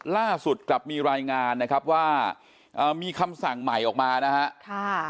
ล่าสุดกลับมีรายงานว่ามีคำสั่งใหม่ออกมานะครับ